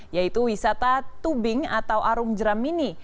yaitu wisata tubing atau arung jeram mini